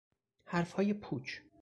حرفهای پوچ